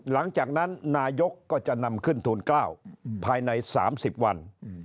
หลังจากนั้นนายกก็จะนำขึ้นทูล๙ภายใน๓๐วัน